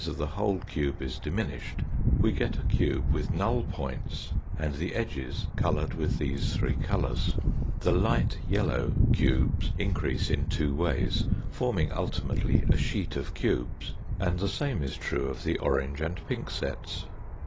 / of the whole cube is / TI. / wh./ wh ./ wh../ n. / diminished, we get p. 84 a cube with null points, and the edges coloured with these three colours. The light yellow cubes increase in two ways, forming ultimately a sheet of cubes, and the same is true of the orange and pink sets.